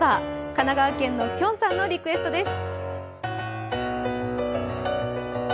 神奈川県のきょんさんのリクエストです。